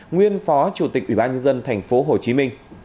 nguyên phó chủ tịch ủy ban nhân dân tp hcm